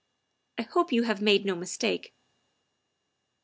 I hope you have made no mistake.